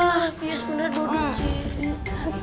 ya sebenarnya dua jam